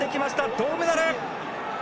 銅メダル！